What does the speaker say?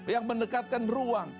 yang mendekatkan ruang